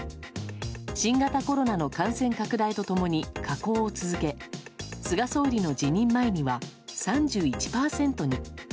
新型コロナの感染拡大と共に下降を続け菅総理の辞任前には３１％に。